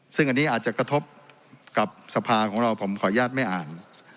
ซึ่งอันนี้อาจจะกระทบกับสภาของเราผมขออนุญาตไม่อ่าน